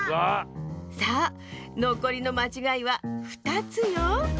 さあのこりのまちがいは２つよ。